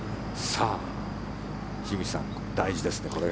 さあ、樋口さん大事ですね、これ。